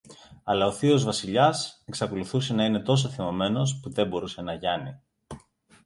Αλλά ο θείος Βασιλιάς εξακολουθούσε να είναι τόσο θυμωμένος, που δεν μπορούσε να γιάνει.